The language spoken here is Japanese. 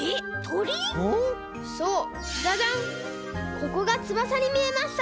ここがつばさにみえました！